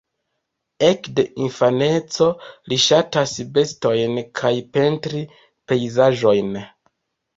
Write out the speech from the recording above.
Ekde infaneco li ŝatas bestojn kaj pentri pejzaĝojn.